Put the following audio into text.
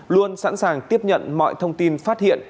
luôn sẵn sàng tiếp nhận mọi thông tin phát hiện